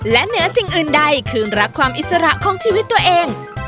และเหนือสิ่งอื่นใดคือรักความอิสระของชีวิตตัวเอง